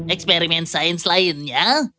eksperimen sains lainnya